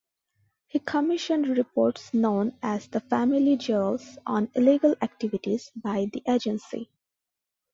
He commissioned reports-known as the "Family Jewels"-on illegal activities by the Agency.